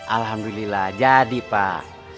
alhamdulillah jadi pak